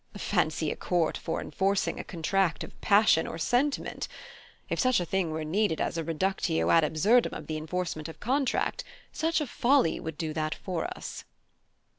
Fancy a court for enforcing a contract of passion or sentiment! If such a thing were needed as a reductio ad absurdum of the enforcement of contract, such a folly would do that for us."